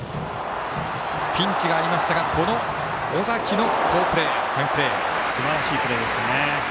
ピンチがありましたが尾崎の好プレーすばらしいプレーでしたね。